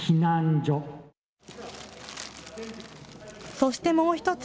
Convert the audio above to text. そして、もう１つ。